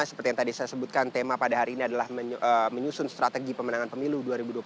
seperti yang tadi saya sebutkan tema pada hari ini adalah menyusun strategi pemenangan pemilu dua ribu dua puluh